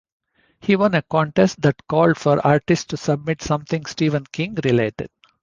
He won a contest that called for artists to submit something Stephen King related.